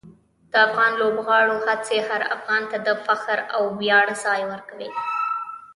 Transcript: د افغان لوبغاړو هڅې هر افغان ته د فخر او ویاړ ځای ورکوي.